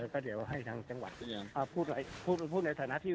ก็เดี๋ยวให้ทางจังหวัดพูดในฐานะที่